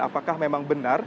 apakah memang benar